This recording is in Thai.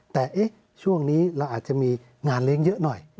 แต่ช่วงนี้เราอาจจะมีงานเลี้ยงเยอะหน่อย